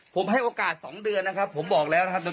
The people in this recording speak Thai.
ผมให้โอกาส๒เดือนนะครับผมบอกแล้วนะครับ